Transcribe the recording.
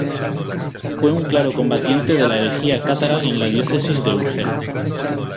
Fue un claro combatiente de la herejía cátara en la diócesis de Urgel.